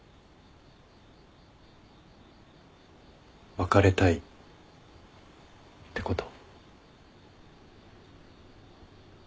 別れたいってこと？